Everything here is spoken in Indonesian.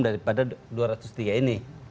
daripada dua ratus tiga ini